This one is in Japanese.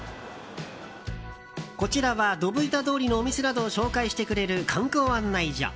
こちらはドブ板通りのお店などを紹介してくれる観光案内所。